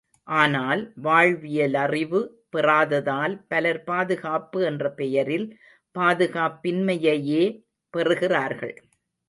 ஆனால் வாழ்வியலறிவு பெறாததால் பலர் பாதுகாப்பு என்ற பெயரில் பாதுகாப்பின்மையையே பெறுகிறார்கள்.